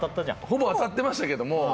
ほぼ当たってましたけど。